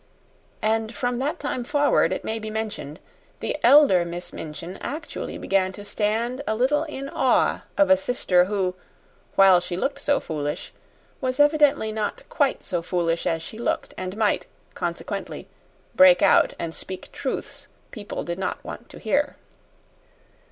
And from that time forward, it may be mentioned, the elder Miss Minchin actually began to stand a little in awe of a sister who, while she looked so foolish, was evidently not quite so foolish as she looked, and might, consequently, break out and speak truths people did not want to hear.